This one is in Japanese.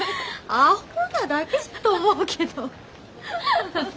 あほうなだけじゃと思うけど。